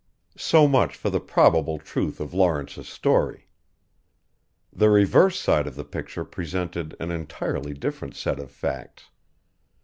So much for the probable truth of Lawrence's story. The reverse side of the picture presented an entirely different set of facts.